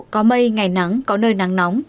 có mây ngày nắng có nơi nắng nóng